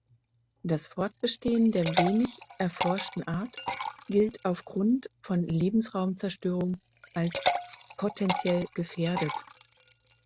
Das Fortbestehen der wenig erforschten Art gilt auf Grund von Lebensraumzerstörung als „potenziell gefährdet“.